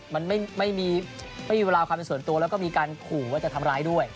มันไม่มีเวลาความเป็นส่วนตัวแล้วก็มีการขู่ว่าจะทำร้ายด้วย